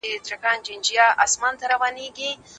د نويو عالمانو له نظره دايمي وده ناممکنه ده.